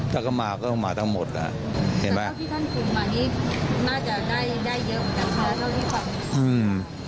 ถ้าเขามาก็เขามาทั้งหมดนะฮะเห็นไหม